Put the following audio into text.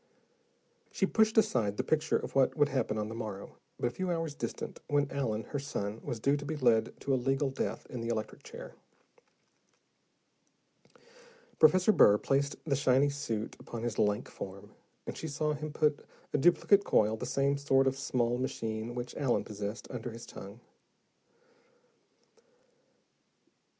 She pushed aside the picture of what would happen on the morrow, but a few hours distant, when Allen, her son, was due to be led to a legal death in the electric chair. Professor Burr placed the shiny suit upon his lank form, and she saw him put a duplicate coil, the same sort of small machine which Allen possessed, under his tongue.